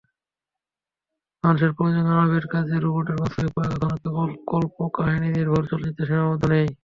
মানুষের প্রয়োজনীয় নানাবিধ কাজে রোবটের বাস্তবিক প্রয়োগ এখন কেবল কল্পকাহিনিনির্ভর চলচ্চিত্রে সীমাবদ্ধ নেই।